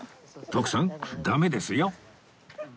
徳さんダメですよ！